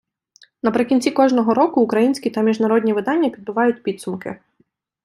Наприкінці кожного року українські та міжнародні видання підбивають підсумки.